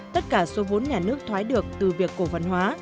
tất cả số vốn nhà nước thoái được từ việc cổ phần hóa